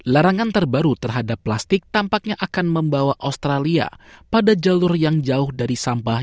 larangan terbaru terhadap plastik tampaknya akan membawa australia pada jalur yang jauh dari sampah